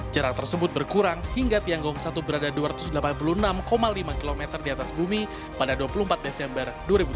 jarak tersebut berkurang hingga tianggong satu berada dua ratus delapan puluh enam lima km di atas bumi pada dua puluh empat desember dua ribu tujuh belas